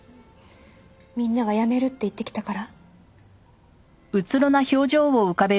みんなが辞めるって言ってきたから？